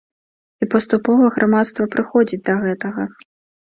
І паступова грамадства прыходзіць да гэтага.